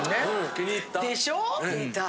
気に入った。でしょう？